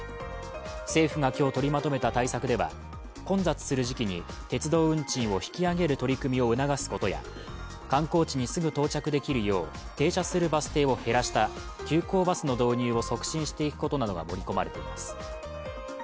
政府が今日取りまとめた対策では混雑する時期に鉄道運賃を引き上げる取り組みを促すことや、観光地にすぐ到着できるよう停車するバス停を減らした急行バスの導入を促進していくことなどが盛り込まれています。